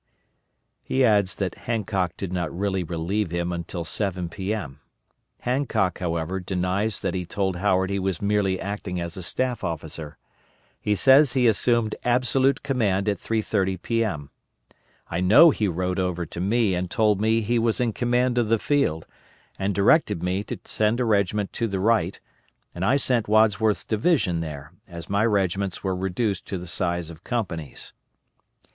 He adds that Hancock did not really relieve him until 7 P.M. Hancock, however, denies that he told Howard he was merely acting as a staff officer. He says he assumed absolute command at 3.30 P.M. I know he rode over to me and told me he was in command of the field, and directed me to send a regiment to the right, and I sent Wadsworth's division there, as my regiments were reduced to the size of companies.